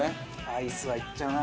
アイスはいっちゃうな。